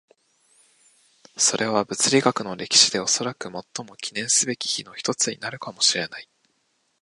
それは物理学の歴史でおそらく最も記念すべき日の一つになるかもしれない。